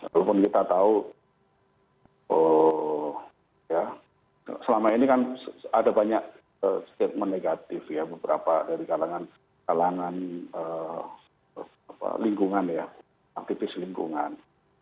walaupun kita tahu ya selama ini kan ada banyak statement negatif ya beberapa dari kalangan lingkungan ya aktivis lingkungan